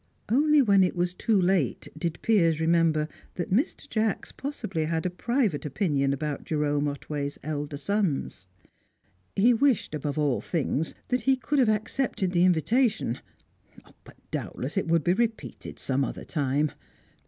Only when it was too late did Piers remember that Mr. Jacks possibly had a private opinion about Jerome Otway's elder sons. He wished, above all things, that he could have accepted the invitation. But doubtless it would be repeated some other time.